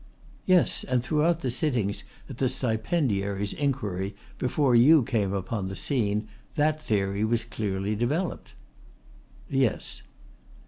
"Yes, and throughout the sitting at the Stipendiary's inquiry before you came upon the scene that theory was clearly developed." "Yes."